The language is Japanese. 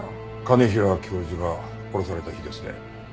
兼平教授が殺された日ですね。